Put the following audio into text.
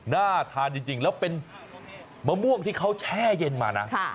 น่าทานจริงแล้วเป็นมะม่วงที่เขาแช่เย็นมานะ